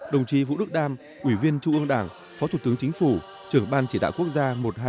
đồng chí vũ đức đam ủy viên trung ương đảng phó thủ tướng chính phủ trưởng ban chỉ đạo quốc gia một nghìn hai trăm ba mươi bảy